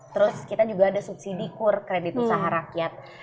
terus kita juga ada subsidi kur kredit usaha rakyat